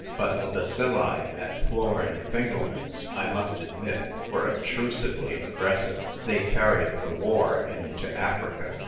But the bacilli at Flor and Fingelman's, I must admit, were obtrusively aggressive. They carried the war into Africa.